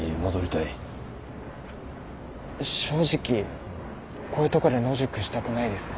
正直こういうとこで野宿したくないですね。